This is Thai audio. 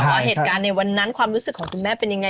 ว่าเหตุการณ์ในวันนั้นความรู้สึกของคุณแม่เป็นยังไง